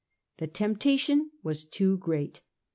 The temptation was too great.